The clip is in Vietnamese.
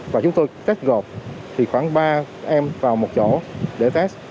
và chúng tôi test gồm khoảng ba em vào một chỗ để test